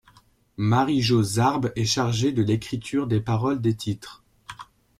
Marie-Jo Zarb est chargée de l'écriture des paroles des titres.